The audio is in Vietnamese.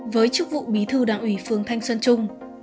với chức vụ bí thư đảng ủy phương thanh xuân trung